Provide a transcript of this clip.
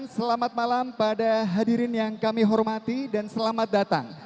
selamat malam pada hadirin yang kami hormati dan selamat datang